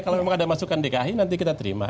kalau memang ada masukan dki nanti kita terima